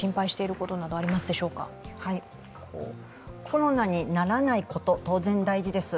コロナにならないこと当然大事です。